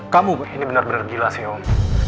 kamu ini benar benar gila sih om